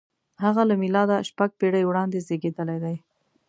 • هغه له مېلاده شپږ پېړۍ وړاندې زېږېدلی دی.